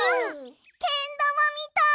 けんだまみたい！